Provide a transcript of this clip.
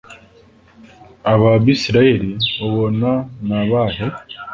aba bisirayeli ubona nabahe